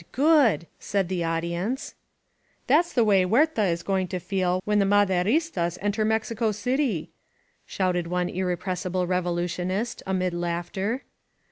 good!*' said the audience. "That's the way Huerta is going to feel when the Maderistas enter Mexico City!" shouted one irrepres sible revolutionist, amid laughter.